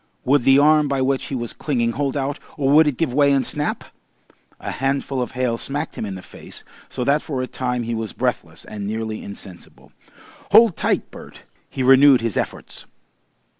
Would the arm by which he was clinging hold out, or would it give way and snap? A handful of hail smacked him in the face, so that for a time he was breathless and nearly insensible. Hold tight, Bert! He renewed his efforts.